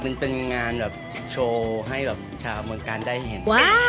มันเป็นงานแบบโชว์ให้แบบชาวเมืองกาลได้เห็น